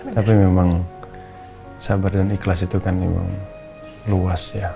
tapi memang sabar dan ikhlas itu kan memang luas ya